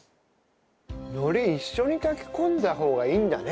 海苔一緒に炊き込んだ方がいいんだね。